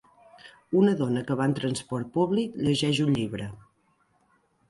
Una dona que va en transport públic llegeix un llibre.